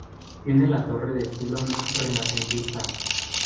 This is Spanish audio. Tiene la torre de estilo renacentista.